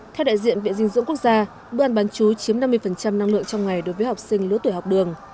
theo đại diện viện dinh dưỡng quốc gia bữa ăn bán chú chiếm năm mươi năng lượng trong ngày đối với học sinh lứa tuổi học đường